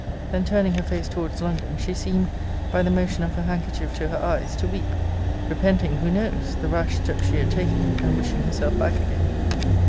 Then, turning her face towards London, she seemed, by the motion of her handkerchief to her eyes, to weep; repenting [who knows?] the rash step she had taken, and wishing herself back again.'